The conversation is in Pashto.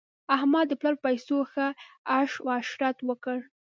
احمد د پلا په پیسو ښه عش عشرت وکړ.